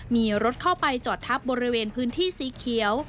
มีรถเข้าไปจอดทับบริเวณพื้นที่สีเขียว